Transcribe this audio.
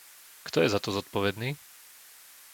Kto je za to zodpovedný?